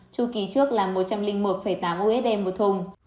chu kỳ trước là một trăm linh một tám usd một thùng